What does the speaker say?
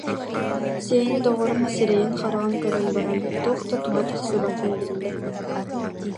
Сеня доҕорун сирэйин-хараҕын көрөн баран, туох да туһа тахсыбатын биллэ: